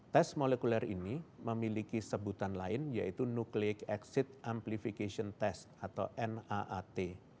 tes molekuler ini memiliki sebutan lain yaitu nuclic exit amplification test atau naat